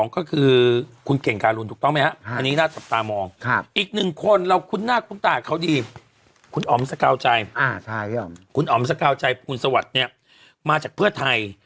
คุณอ๋อมสกาวใจคุณสวัสดิ์เนี่ยมาจากเพื่อไทย